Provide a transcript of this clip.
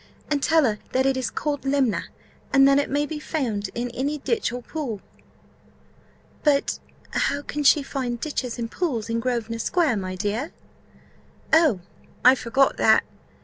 And tell her that it is called lemna, and that it may be found in any ditch or pool." "But how can she find ditches and pools in Grosvenor square, my dear?" "Oh, I forgot that.